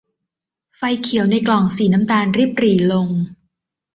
ไฟเขียวในกล่องสีน้ำตาลริบหรี่ลง